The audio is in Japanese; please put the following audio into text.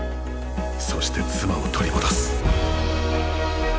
そして妻を取り戻す。